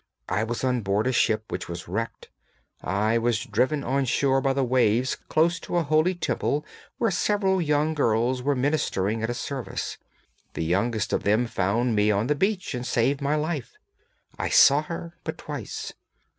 I was on board a ship which was wrecked; I was driven on shore by the waves close to a holy Temple where several young girls were ministering at a service; the youngest of them found me on the beach and saved my life; I saw her but twice.